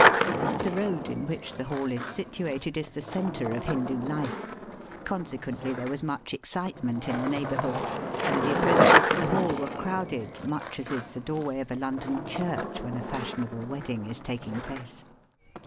The road in which the hall is situated is the centre of Hindoo life. Conse quently there was much excitement in the neighbourhood, and the approaches to the hall Digitized by VjOOQIC 188 EAST BY WEST. were crowded much as is the doorway of a London church when a fashionable wedding is taking place.